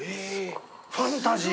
ファンタジー！